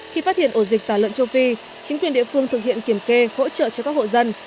khi phát hiện ổ dịch tả lợn châu phi chính quyền địa phương thực hiện kiểm kê hỗ trợ cho các hộ dân